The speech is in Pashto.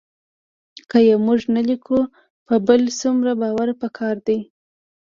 که یې موږ نه لیکو په بل څومره باور پکار دی